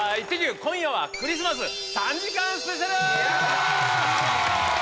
今夜はクリスマス３時間スペシャル。